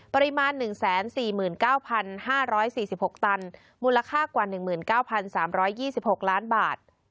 ปริมาณ๑๔๙๕๔๖ตันมูลค่ากว่า๑๙๓๒๖ล้านบาท